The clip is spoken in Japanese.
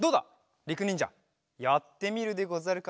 りくにんじゃやってみるでござるか？